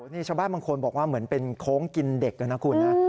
นี่ชาวบ้านบางคนบอกว่าเหมือนเป็นโค้งกินเด็กนะคุณนะ